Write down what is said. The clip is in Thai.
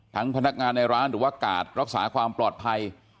พนักงานในร้านหรือว่ากาดรักษาความปลอดภัย